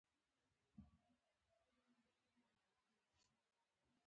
رحماني چې په کندهار کې وو عربي یې زوروره وه.